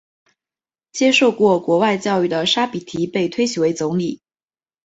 接受过国外教育的沙比提被推举为总理。